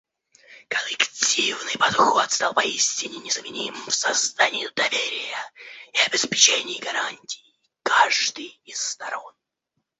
Коллективный подход стал поистине незаменим в создании доверия и обеспечении гарантий каждой из сторон.